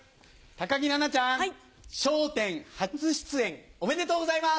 木菜那ちゃん『笑点』初出演おめでとうございます！